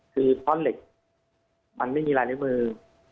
คือข้อนเหล็กมันไม่มีอะไรในมือ